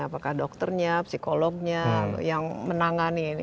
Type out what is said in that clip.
apakah dokternya psikolognya yang menangani ini